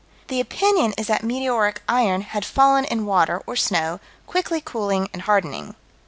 The opinion is that meteoric iron had fallen in water or snow, quickly cooling and hardening.